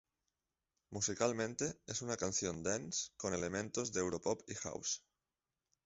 Musicalmente, es una canción "dance" con elementos de "europop" y "house".